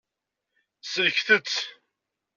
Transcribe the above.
Sellket-tt.